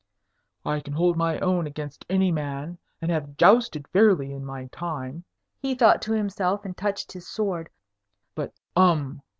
"I can hold my own against any man, and have jousted fairly in my time," he thought to himself, and touched his sword. "But um!"